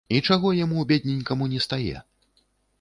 І чаго яму, бедненькаму, не стае?